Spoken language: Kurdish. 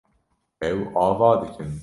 Ew ava dikin.